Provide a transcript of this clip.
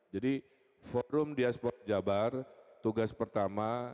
jadi forum diaspora jabar tugas pertama